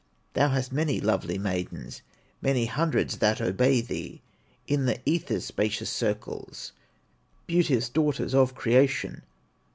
Thou hast many lovely maidens, Many hundreds that obey thee, In the Ether's spacious circles, Beauteous daughters of creation.